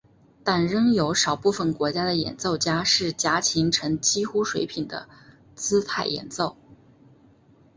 但仍有少部分国家的演奏家是夹琴呈几乎水平的姿态演奏。